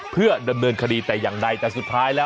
เพื่อดำเนินคดีแต่อย่างใดแต่สุดท้ายแล้ว